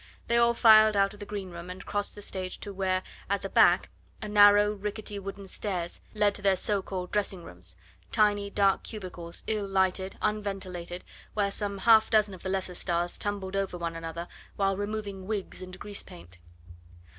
They all filed out of the green room and crossed the stage to where, at the back, a narrow, rickety wooden stairs led to their so called dressing rooms tiny, dark cubicles, ill lighted, unventilated, where some half dozen of the lesser stars tumbled over one another while removing wigs and grease paint.